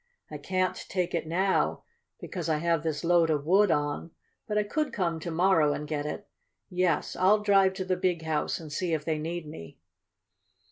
I can't take it now, because I have this load of wood on, but I could come to morrow and get it. Yes, I'll drive to the Big House and see if they need me."